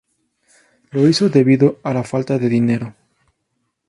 Lo hizo debido a la falta de dinero.